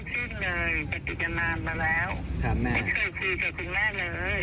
ถูกจริงไม่เคยคิดที่จะโทร